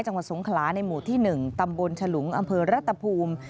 จังหวัดสงขลาในหมู่ที่๑ตำบลฉลุงอำเภอรัตภูมิ